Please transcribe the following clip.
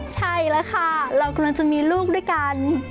ใช่แล้วค่ะเรากำลังจะมีลูกด้วยกัน